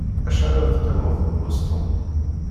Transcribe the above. Acḥal ara teqqimeḍ deg Boston?